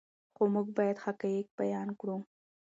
خو موږ باید حقایق بیان کړو.